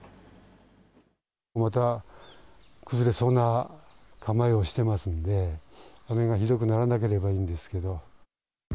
また崩れそうな構えをしてますんで、雨がひどくならなければいいんですけど。